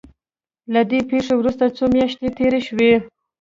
له دې پېښې وروسته څو مياشتې تېرې شوې.